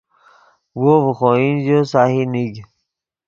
وو ڤے خوئن ژے سہی نیگ